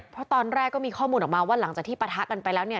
เพราะตอนแรกก็มีข้อมูลออกมาว่าหลังจากที่ปะทะกันไปแล้วเนี่ย